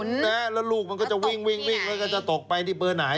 แล้วลูกมันก็จะวิ่งวิ่งแล้วก็จะตกไปที่เบอร์ไหน